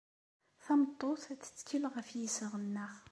Tameṭṭut tettkel ɣef yiseɣ-nnes.